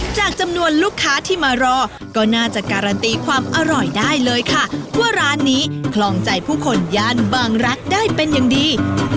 จากจำนวนลูกค้าที่มารอก็น่าจะการันตีความอร่อยได้เลยค่ะว่าร้านนี้คลองใจผู้คนย่านบางรักได้เป็นอย่างดี